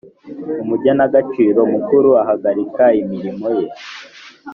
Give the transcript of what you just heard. Umugenagaciro mukuru ahagarika imirimo ye